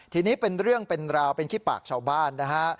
ทีนี้เป็นเรื่องเป็นราวเป็นขี้ปากชาวบ้านนะฮะ